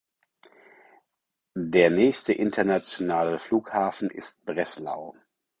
Der nächste internationale Flughafen ist Breslau.